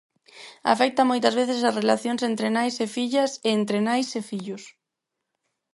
Afecta moitas veces ás relacións entre nais e fillas e entre nais e fillos.